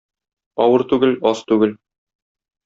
Авыр түгел, аз түгел